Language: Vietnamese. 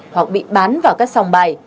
hoặc bị bán vào các sòng bài